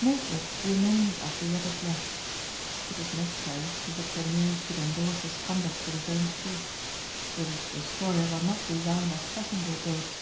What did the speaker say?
Maitland remained after the others left. It was necessary that the premier should endorse his conduct with his own chief. British destroyers are not designed as passenger boats.